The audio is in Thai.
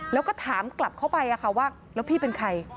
แล้วก็ถามกลับเข้าไปว่าแล้วพี่เป็นใคร